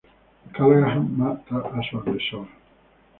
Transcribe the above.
Callahan mata a su agresor.